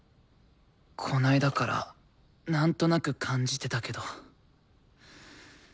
この間からなんとなく感じてたけど。